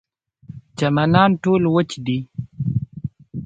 چمنان ټول وچ دي.